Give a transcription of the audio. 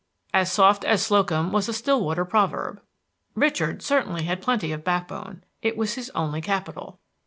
As soft as Slocum was a Stillwater proverb. Richard certainly had plenty of backbone; it was his only capital.